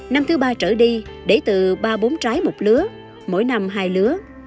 năm thứ ba trở đi để từ ba bốn trái một lứa mỗi năm hai lứa